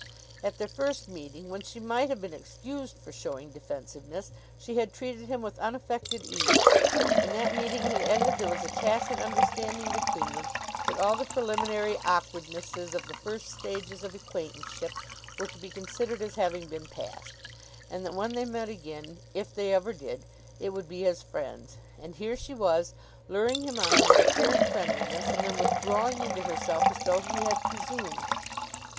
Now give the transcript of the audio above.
At their first meeting, when she might have been excused for showing defensiveness, she had treated him with unaffected ease. When that meeting had ended there was a tacit understanding between them that all the preliminary awkwardnesses of the first stages of acquaintanceship were to be considered as having been passed; and that when they met again, if they ever did, it would be as friends. And here she was, luring him on with apparent friendliness, and then withdrawing into herself as though he had presumed.